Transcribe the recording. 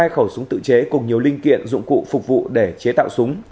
hai khẩu súng tự chế cùng nhiều linh kiện dụng cụ phục vụ để chế tạo súng